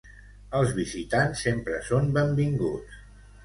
Els visitants sempre són benvinguts.